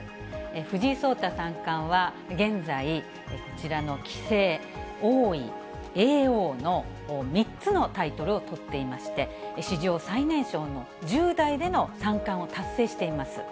藤井聡太三冠は、現在、こちらの棋聖、王位、叡王の３つのタイトルをとっていまして、史上最年少の１０代での三冠を達成しています。